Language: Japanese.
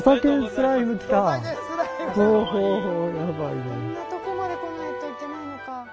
こんなとこまで来ないといけないのか。